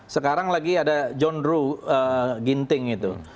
sekarang lagi ada john ruh ginting itu